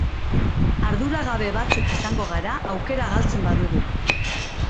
Arduragabe batzuk izango gara aukera galtzen badugu.